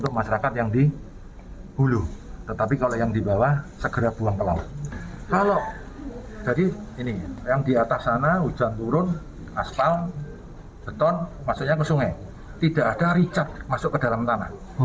tidak ada ricat masuk ke dalam tanah